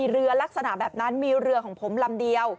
ลักษณะแบบนั้นมีเรือของผมลำเดียว